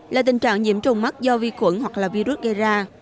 là tình trạng nhiễm trùng mắt do vi khuẩn hoặc là virus gây ra